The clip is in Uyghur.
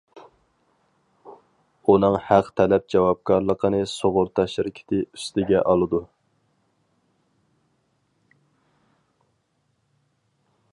ئۇنىڭ ھەق تەلەپ جاۋابكارلىقىنى سۇغۇرتا شىركىتى ئۈستىگە ئالىدۇ.